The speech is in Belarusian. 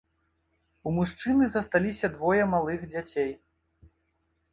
У мужчыны засталіся двое малых дзяцей.